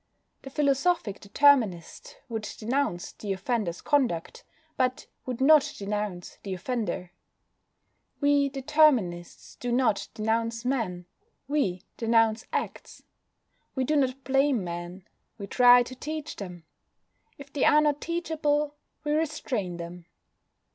The philosophic Determinist would denounce the offender's conduct, but would not denounce the offender. We Determinists do not denounce men; we denounce acts. We do not blame men; we try to teach them. If they are not teachable we restrain them.